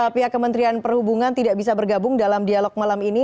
pihak kementerian perhubungan tidak bisa bergabung dalam dialog malam ini